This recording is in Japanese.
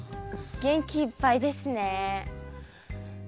元気いっぱいですね。